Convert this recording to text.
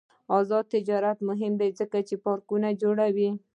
آزاد تجارت مهم دی ځکه چې پارکونه جوړوي.